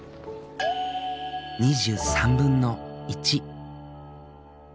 ２３分の１。